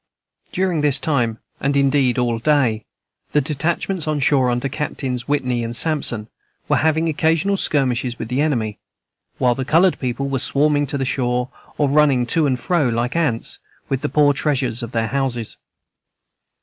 During this time, and indeed all day, the detachments on shore, under Captains Whitney and Sampson, were having occasional skirmishes with the enemy, while the colored people were swarming to the shore, or running to and fro like ants, with the poor treasures of their houses.